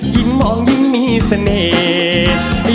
ยิ่งมองยิ่งมีเสน่ห์